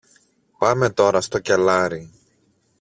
Πάμε τώρα στο κελάρι.